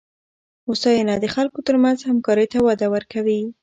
هوساینه د خلکو ترمنځ همکارۍ ته وده ورکوي.